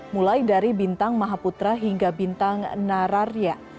mulai dari bintang mahaputra hingga bintang nararya